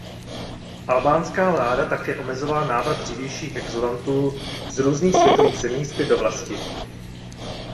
Albánská vláda také omezovala návrat dřívějších exulantů z různých světových zemí zpět do vlasti.